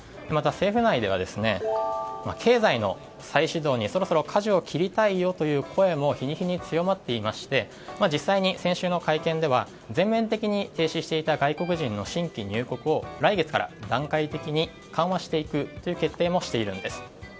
また政府内では経済の再始動にそろそろかじを切りたいよという声も日に日に強まっていまして実際に先週の会見では全面的に停止していた外国人の新規入国を来月から段階的に緩和していくという決定もしているんです。